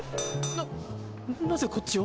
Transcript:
ななぜこっちを？